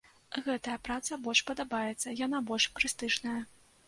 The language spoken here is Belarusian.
Гэтая праца больш падабаецца, яна больш прэстыжная.